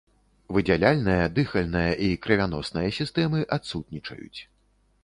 Выдзяляльная, дыхальная і крывяносная сістэмы адсутнічаюць.